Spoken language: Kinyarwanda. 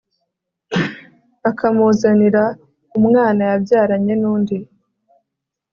akamuzanira umwana yabyaranye n'undi